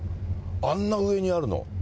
あんな上にあるの。